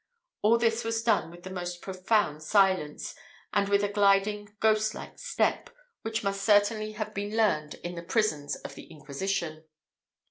All this was done with the most profound silence, and with a gliding ghost like step, which must certainly have been learned in the prisons of the Inquisition.